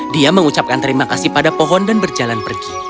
dia mengucapkan terima kasih pada pohon dan berjalan pergi